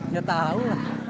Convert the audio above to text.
ya tau lah